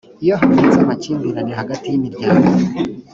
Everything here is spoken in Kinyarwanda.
iyo havutse amakimbirane hagati y imiryango